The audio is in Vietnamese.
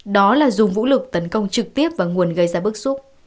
đó là dùng vũ lực tấn công trực tiếp vào nguồn gây ra bức xúc